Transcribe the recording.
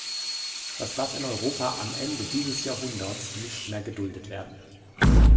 Das darf in Europa am Ende dieses Jahrhunderts nicht mehr geduldet werden!